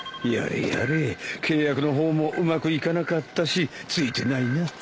やれやれ契約の方もうまくいかなかったしついてないな。